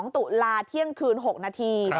๒๒ตุลาที่เชียงคืน๖นาที